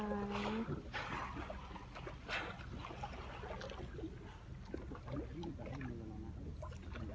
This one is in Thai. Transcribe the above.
อันนี้คือวานเพชรข้าดดำนะคะ